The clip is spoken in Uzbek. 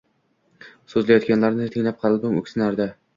So‘zlayotganlarni tinglab qalbim o‘ksinardi.